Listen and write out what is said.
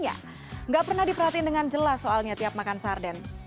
tidak pernah diperhatiin dengan jelas soalnya tiap makan sarden